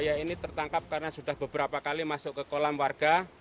ya ini tertangkap karena sudah beberapa kali masuk ke kolam warga